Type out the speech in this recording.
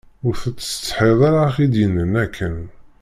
Ur tettsetḥiḍ ara i d-yennan akken.